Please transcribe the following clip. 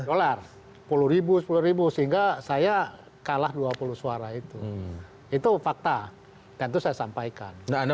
dollar puluh ribu puluh ribu sehingga saya kalah dua puluh suara itu itu fakta tentu saya sampaikan anda